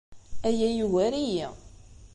Aya yugar-iyi.